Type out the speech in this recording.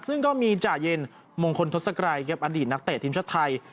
ซึ่งก็มีจ่าเย็นมงคลทศกรัยครับอดีตนักเตะทีมชาติไทย